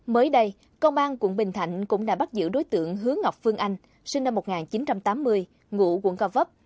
mới đây công an quận bình thạnh cũng đã bắt giữ đối tượng hứa ngọc phương anh sinh năm một nghìn chín trăm tám mươi ngụ quận gò vấp